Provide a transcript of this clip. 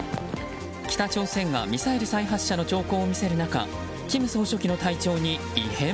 北朝鮮がミサイル再発射の兆候を見せる中金総書記の体調に異変？